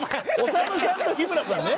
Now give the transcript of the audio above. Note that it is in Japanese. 統さんと日村さんね。